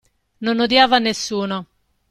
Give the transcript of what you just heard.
Non odiava nessuno.